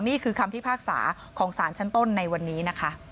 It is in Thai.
นี่คือคำพิพากษาของสารชั้นต้นในวันนี้นะคะ